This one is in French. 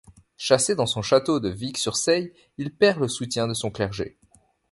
Chassé dans son château de Vic-sur-Seille, il perd le soutien de son clergé.